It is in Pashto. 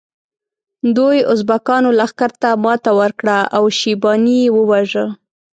دوی ازبکانو لښکر ته ماته ورکړه او شیباني یې وواژه.